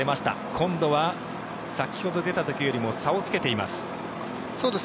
今度は先ほど出た時よりも差をつけています。